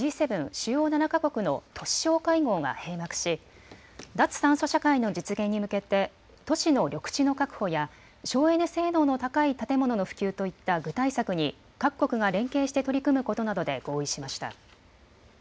・主要７か国の都市相会合が閉幕し脱炭素社会の実現に向けて都市の緑地の確保や省エネ性能の高い建物の普及といった具体策に各国が連携して取り組むことなどで合意しました。